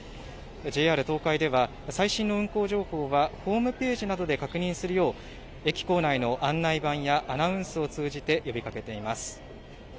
ＪＲ東海では、最新の運行情報はホームページなどで確認するよう、駅構内の案内板やアナウンスを通じて呼びかけています。